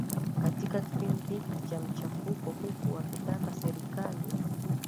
katika kipindi hiki cha machafuko huku wakitaka serikali